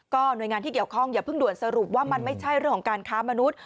หน่วยงานที่เกี่ยวข้องอย่าเพิ่งด่วนสรุปว่ามันไม่ใช่เรื่องของการค้ามนุษย์